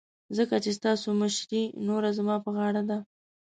ځکه چې ستاسو مشرې نوره زما په غاړه ده.